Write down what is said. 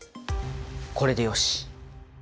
これでよし！